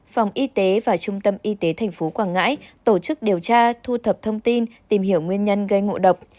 phòng y tế và trung tâm y tế tp quảng ngãi tổ chức điều tra thu thập thông tin tìm hiểu nguyên nhân gây ngộ độc